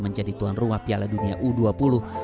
menjadi tuan rumah piala dunia u dua puluh